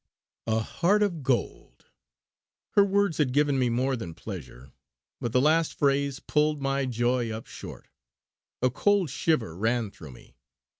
"A heart of gold!" Her words had given me more than pleasure; but the last phrase pulled my joy up short. A cold shiver ran through me.